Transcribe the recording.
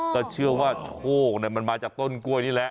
ก็เชื่อว่าโชคมันมาจากต้นกล้วยนี่แหละ